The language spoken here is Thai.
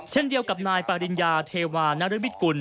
เช่นเดียวกับนายปริญญาเทวานรมิตกุล